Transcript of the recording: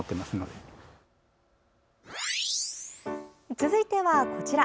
続いては、こちら。